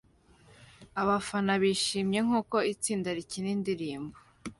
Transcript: Abafana bishimye nkuko itsinda rikina indirimbo